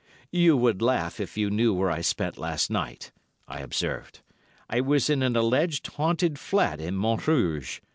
"'You would laugh, if you knew where I spent last night,' I observed. 'I was in an alleged haunted flat in Montrouge.